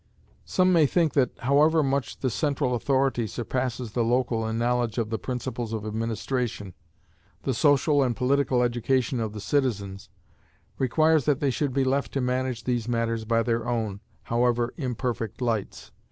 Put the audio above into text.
Some may think that, however much the central authority surpasses the local in knowledge of the principles of administration, the great object which has been so much insisted on, the social and political education of the citizens, requires that they should be left to manage these matters by their own, however imperfect lights.